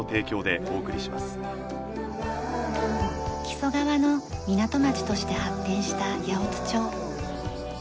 木曽川の港町として発展した八百津町。